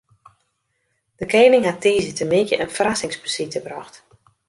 De kening hat tiisdeitemiddei in ferrassingsbesite brocht.